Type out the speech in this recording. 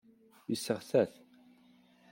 Yesseɣta-t.